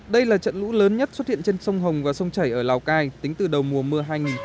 đây là trận lũ lớn nhất xuất hiện trên sông hồng và sông chảy ở lào cai tính từ đầu mùa mưa